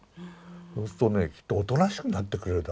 そうするとねきっとおとなしくなってくれるだろうと。